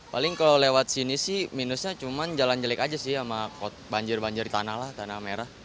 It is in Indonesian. paling kalau lewat sini sih minusnya cuma jalan jelek aja sih sama banjir banjir tanah lah tanah merah